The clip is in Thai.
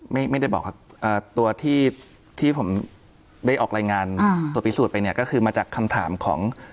ไม่ได้บอกครับตัวที่ที่ผมได้ออกรายงานตัวพิสูจน์ไปเนี่ยก็คือมาจากคำถามของ